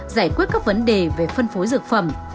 giải quyết các vấn đề về phân phối dược phẩm